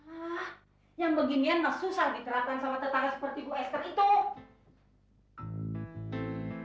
ah yang beginian mas susah diterapkan sama tetangga seperti bu esther itu